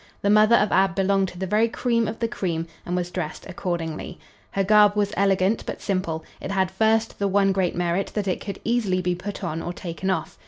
The mother of Ab belonged to the very cream of the cream, and was dressed accordingly. Her garb was elegant but simple; it had, first, the one great merit, that it could easily be put on or taken off.